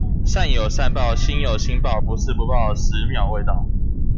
善有善報，星有星爆。不是不報，十秒未到